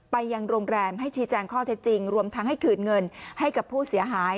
ไปยังโรงแรมให้ชี้แจงข้อเท็จจริงรวมทั้งให้คืนเงินให้กับผู้เสียหาย